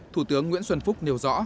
thủ tướng nguyễn xuân phúc nêu rõ